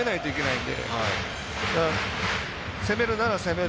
だから、攻めるなら攻める。